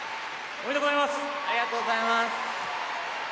ありがとうございます。